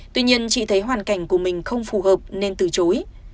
tuy nhiên chị thấy hoàn cảnh của mình không phù hợp nên từ chối